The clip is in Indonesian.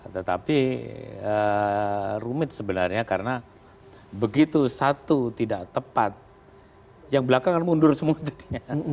tetapi rumit sebenarnya karena begitu satu tidak tepat yang belakangan mundur semua jadinya